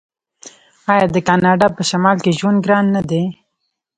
آیا د کاناډا په شمال کې ژوند ګران نه دی؟